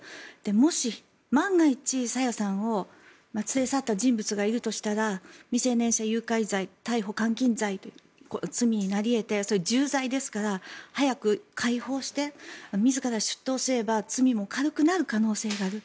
もし、万が一、朝芽さんを連れ去った人物がいるとしたら未成年者誘拐罪逮捕・監禁罪という罪になり得てそれは重罪ですから早く解放して、自ら出頭すれば罪も軽くなる可能性がある。